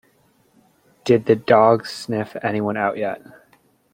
Did the dog sniff anyone out yet?